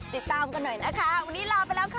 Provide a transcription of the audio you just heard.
ติดตามกันหน่อยนะคะวันนี้ลาไปแล้วค่ะ